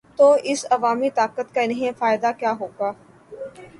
تو اس عوامی طاقت کا انہیں فائدہ کیا ہو گا؟